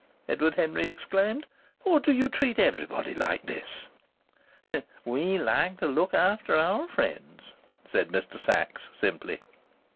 Edward Henry exclaimed. "Or do you treat everybody like this?" "We like to look after our friends," said Mr. Sachs, simply.